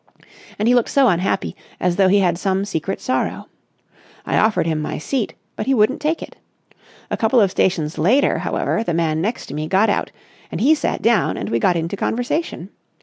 And he looked so unhappy, as though he had some secret sorrow. I offered him my seat, but he wouldn't take it. A couple of stations later, however, the man next to me got out and he sat down and we got into conversation.